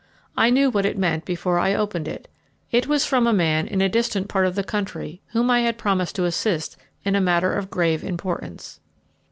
I knew what it meant before I opened it. It was from a man in a distant part of the country whom I had promised to assist in a matter of grave importance.